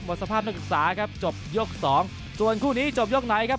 สภาพนักศึกษาครับจบยกสองส่วนคู่นี้จบยกไหนครับ